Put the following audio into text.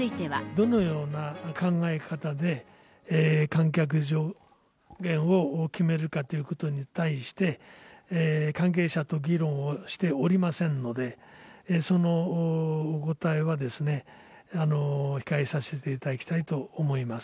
どのような考え方で、観客上限を決めるかということに対して、関係者と議論をしておりませんので、そのお答えはですね、控えさせていただきたいと思います。